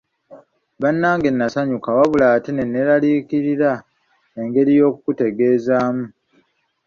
Bannange nasanyuka wabula ate ne neeraliikirira engeri y'okukutegeezaamu.